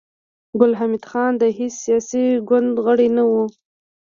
ګل حمید خان د هېڅ سياسي ګوند غړی نه و